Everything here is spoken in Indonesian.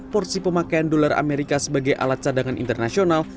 porsi pemakaian dolar amerika sebagai alat cadangan internasional